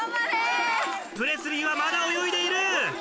プレスリーはまだ泳いでいる！